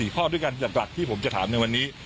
ข้อด้วยกันหลักที่ผมจะถามในวันนี้